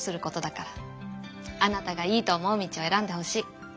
あなたがいいと思う道を選んでほしい。